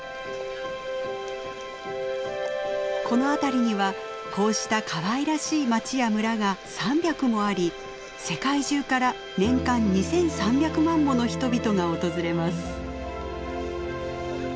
この辺りにはこうしたかわいらしい町や村が３００もあり世界中から年間２，３００万もの人々が訪れます。